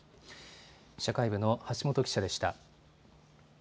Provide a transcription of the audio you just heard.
社会部の橋本記者でした。